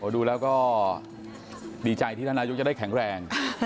ดูแล้วก็ดีใจที่นายกรัฐมนตรีจะได้แข็งแรง